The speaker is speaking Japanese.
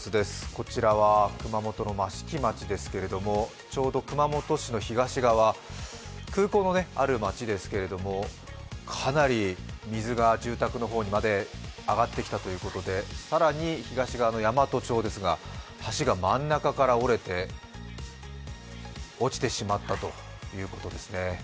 こちらは熊本の益城町ですけれども、ちょうど熊本市の東側、空港のある町ですけれど、かなり水が住宅の方にまで上がってきたということで更に東側の山都町ですが橋が真ん中から折れて落ちてしまったということですね。